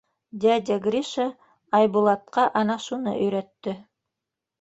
Дядя Гриша Айбулатҡа ана шуны өйрәтте.